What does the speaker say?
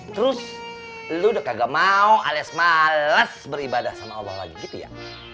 terus lu udah kagak mau alias males beribadah sama allah lagi gitu ya